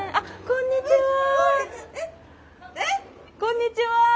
こんにちは！